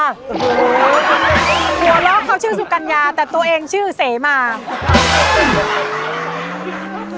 หัวเราะเขาชื่อสุกัญญาแต่ตัวเองชื่อเสมา